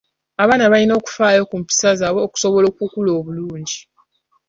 Abaana balina okufaayo ku mpisa zaabwe okusobola okukula obulungi.